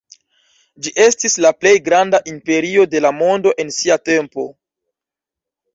Ĝi estis la plej granda imperio de la mondo en sia tempo.